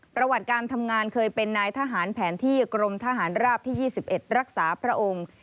ประวัติการทำงานเคยเป็นนายทหารแผนที่กรมทหารราบที่๒๑รักษาพระองค์